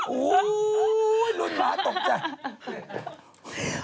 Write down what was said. โอ้โหรุ่นหมาตกใจ